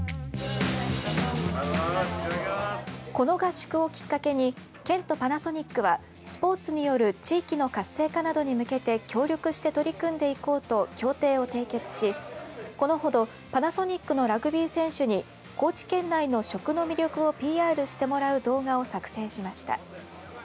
この合宿をきっかけに県とパナソニックはスポーツによる地域の活性化などに向けて協力して取り組んでいこうと協定を締結しこのほどパナソニックのラグビー選手に高知県内の食の魅力をＰＲしてもらう動画を作成しました。